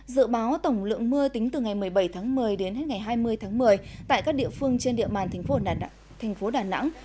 dự báo tổng lượng mưa tính từ ngày một mươi bảy tháng một mươi đến hết ngày hai mươi tháng một mươi tại các địa phương trên địa bàn thành phố đà nẵng